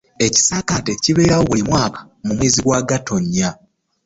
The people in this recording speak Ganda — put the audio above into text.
Ekisaakaate kibeerawo buli mwaka mu mwezi gwa Gatonnya